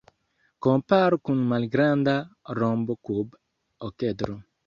Komparu kun malgranda rombokub-okedro.